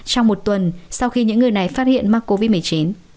trong một tuần sau khi những người này phát hiện mắc covid một mươi chín